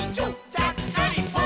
ちゃっかりポン！」